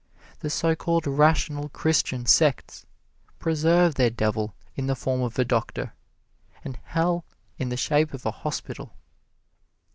The so called rational Christian sects preserve their Devil in the form of a Doctor, and Hell in the shape of a Hospital.